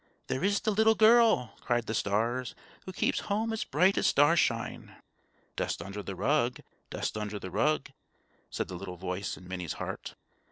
"There is the little girl," cried the stars, "who keeps home as bright as star shine." "Dust under the rug! dust under the rug!" said the little voice in Minnie's heart.